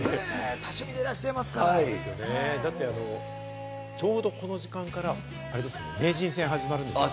多趣味でいらっしゃいますかちょうどこの時間から名人戦が始まるんですよね。